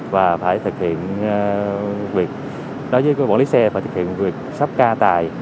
và phải thực hiện việc đối với quản lý xe phải thực hiện việc sắp ca tài